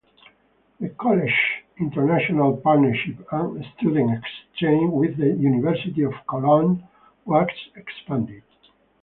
The college's international partnership and student exchange with the University of Cologne was expanded.